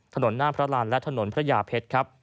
ถนนหน้าพระราชและถนนพระหยาเพชร